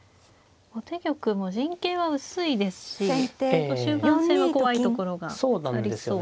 後手玉も陣形は薄いですし終盤戦は怖いところがありそうですね。